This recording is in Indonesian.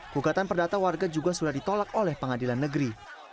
gugatan perdata warga juga sudah ditolak oleh pengadilan negeri